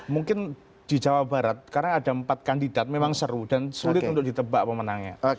mungkin di jawa barat karena ada empat kandidat memang seru dan sulit untuk ditebak pemenangnya